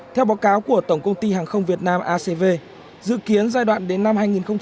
theo báo cáo của tổng công ty hàng không việt nam acv dự kiến giai đoạn đến năm hai nghìn hai mươi